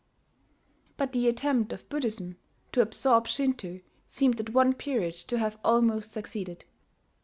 But the attempt of Buddhism to absorb Shinto seemed at one period to have almost succeeded.